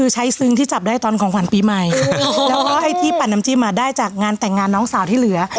ใช้ซึ้งที่จับได้ตอนของขวัญปีใหม่แล้วก็ไอ้ที่ปั่นน้ำจิ้มอ่ะได้จากงานแต่งงานน้องสาวที่เหลือ